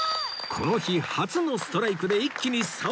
この日初のストライクで一気に差を詰める！